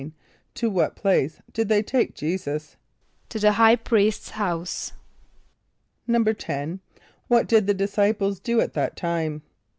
= To what place did they take J[=e]´[s+]us? =To the high priest's house.= =10.= What did the disciples do at that time?